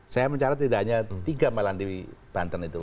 saya mencarat tidak hanya tiga malahan di banten itu